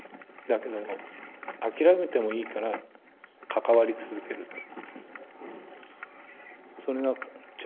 だけども諦めてもいいから関わり続けると。